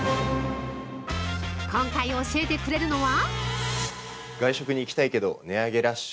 今回教えてくれるのは。